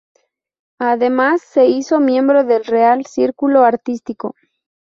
Además, se hizo miembro del Real Círculo Artístico.